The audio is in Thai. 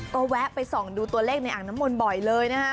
ก็แวะไปส่องดูตัวเลขในอ่างน้ำมนต์บ่อยเลยนะฮะ